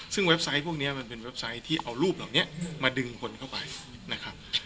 ซึ่งเว็บไซต์พวกนี้มันเป็นเว็บไซต์ที่เอารูปเหล่านี้มาดึงคนเข้าไปนะครับ